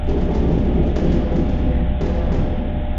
কললিস্টসহ আরও খতিয়ে দেখার জন্য তাঁকে আটক করে জিজ্ঞাসাবাদ করা হচ্ছে।